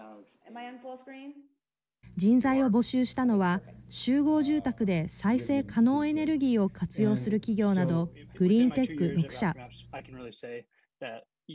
人材を募集したのは集合住宅で再生可能エネルギーを活用する企業などグリーンテック６社。